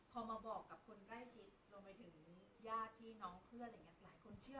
พอมาบอกกับได้ทริปลงไป๒๒๐๐นย่าพี่น้องเพื่อน